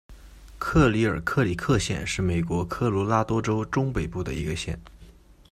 克利尔克里克县是美国科罗拉多州中北部的一个县。